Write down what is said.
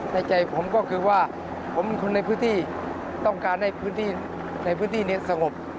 ในใจผมก็คือว่าผมเป็นคนในพื้นที่ต้องการได้พื้นที่ในสงบ